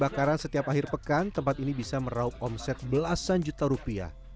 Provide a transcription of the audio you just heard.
kebakaran setiap akhir pekan tempat ini bisa meraup omset belasan juta rupiah